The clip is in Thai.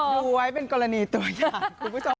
ดูไว้เป็นกรณีตัวอย่างคุณผู้ชม